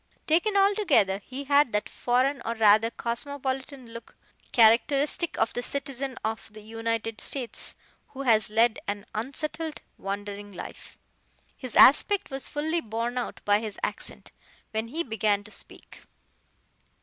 Taken altogether he had that foreign or rather cosmopolitan look characteristic of the citizen of the United States who has led an unsettled, wandering life. His aspect was fully borne out by his accent, when he began to speak.